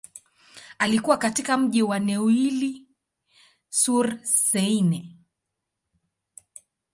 Alikua katika mji wa Neuilly-sur-Seine.